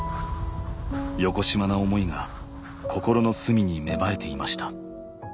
よこしまな思いが心の隅に芽生えていました。